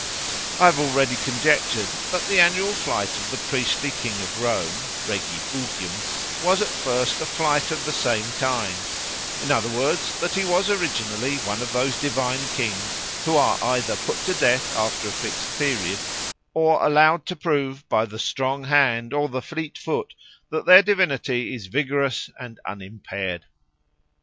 I have already conjectured that the annual flight of the priestly king at Rome (regifugium) was at first a flight of the same kind; in other words, that he was originally one of those divine kings who are either put to death after a fixed period or allowed to prove by the strong hand or the fleet foot that their divinity is vigorous and unimpaired.